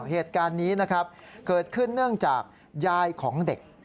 เหตุการณ์นี้นะครับเกิดขึ้นเนื่องจากยายของเด็ก